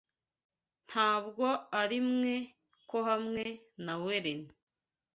Ntabwo arimwe ko hamwe na Wereni